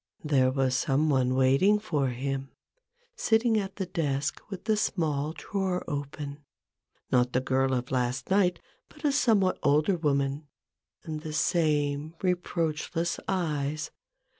There was some one waiting for him, sitting at the desk with the small drawer open : not the girl of last night, but a somewhat older woman — and the same reproachless eyes.